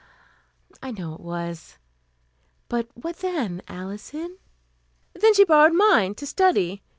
"I know it was. But what then, Alison?" "Then she borrowed mine, to study.